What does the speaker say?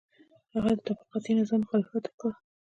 هغه د طبقاتي نظام مخالفت وکړ.